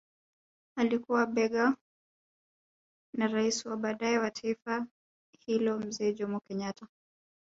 Alikuwa bega kwa bega na rais wa baadae wa taifa hilo mzee Jomo Kenyatta